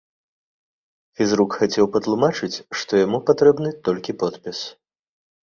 Фізрук хацеў патлумачыць, што яму патрэбны толькі подпіс.